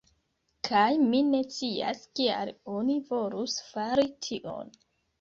Kaj mi ne scias kial oni volus fari tion.